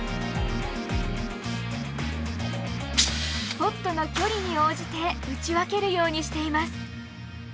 ポットの距離に応じて打ち分けるようにしています。